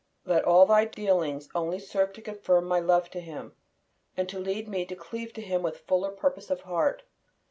Let all Thy dealings only serve to confirm my love to Him, and to lead me to cleave to Him with fuller purpose of heart.